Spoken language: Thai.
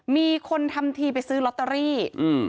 มีคนทำทีไปซื้อลอตเตอรี่อืม